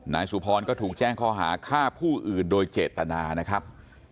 นายสุพรก็ถูกแจ้งข้อหาฆ่าผู้อื่นโดยเจตนานะครับ